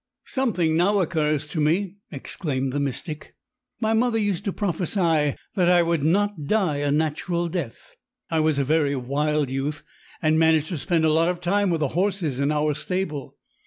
"Something now occurs to me," exclaimed the mystic; "my mother used to prophesy that I would not die a natural death. I was a very wild youth, and managed to spend a lot of time with the horses in our stable.